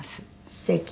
すてき。